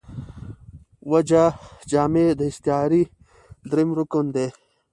وجه جامع داستعارې درېیم رکن دﺉ.